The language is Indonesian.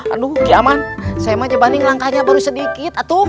aduh kiaman saya mah aja banding langkahnya baru sedikit atuh